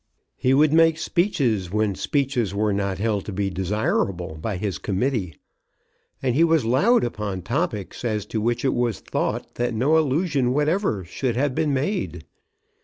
He would make speeches when speeches were not held to be desirable by his committee, and he was loud upon topics as to which it was thought that no allusion whatever should have been made.